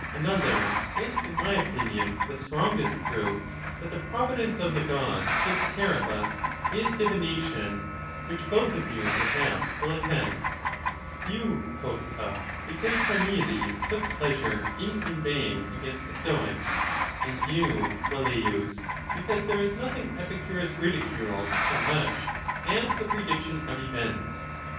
LXV. Another, and in my opinion the strongest, proof the providence of the Gods takes care of us is divina tion, which both of you, perhaps, will attack ; you, Cotta, because Carneades took pleasure in inveighing against the Stoics ; and you, Velleius, because there is nothing Epi curus ridicules so much as the prediction of events.